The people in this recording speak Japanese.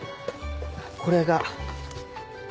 これが。